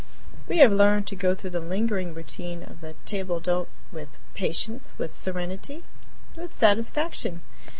We have learned to go through the lingering routine of the table d'hote with patience, with serenity, with satisfaction.